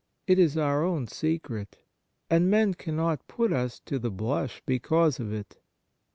It is our own secret, and men cannot put us to the blush because of it.